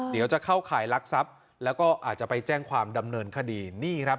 เดี๋ยวจะเข้าข่ายลักทรัพย์แล้วก็อาจจะไปแจ้งความดำเนินคดีนี่ครับ